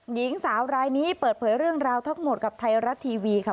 หญิงสาวรายนี้เปิดเผยเรื่องราวทั้งหมดกับไทยรัฐทีวีค่ะ